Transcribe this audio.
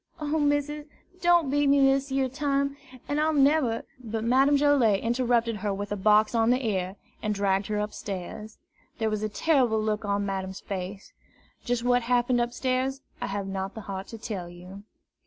O missus, don't beat me dis yere time, an' I'll neber " But Madame Joilet interrupted her with a box on the ear, and dragged her upstairs. There was a terrible look on Madame's face. Just what happened upstairs, I have not the heart to tell you.